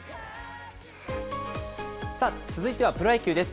続いてはプロ野球です。